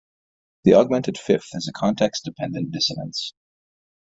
The augmented fifth is a context-dependent dissonance.